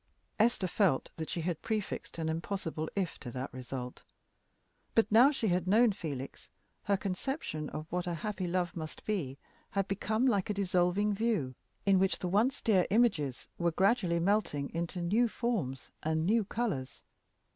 Esther felt that she had prefixed an impossible "if" to that result. But now she had known Felix her conception of what a happy love must be had become like a dissolving view, in which the once dear images were gradually melting into new forms and new colors.